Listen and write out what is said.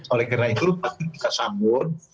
oleh karena itu pasti kita sambut